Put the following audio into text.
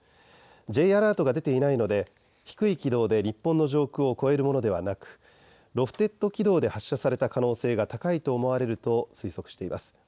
Ｊアラートが出ていないので低い軌道で日本の上空を超えるものではなくロフテッド軌道で発射さされた可能性が高いと思われると推測しています。